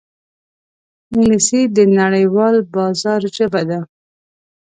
انګلیسي د نړیوال بازار ژبه ده